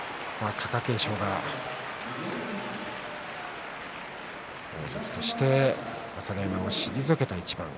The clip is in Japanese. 貴景勝、大関として朝乃山を退けました。